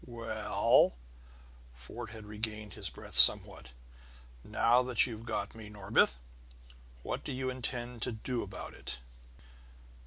"Well" Fort had regained his breath somewhat "now that you've got me, Norbith, what do you intend to do about it?"